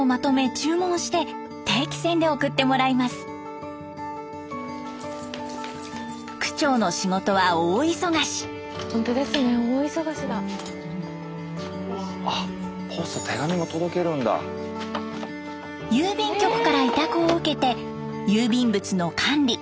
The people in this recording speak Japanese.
郵便局から委託を受けて郵便物の管理・配達。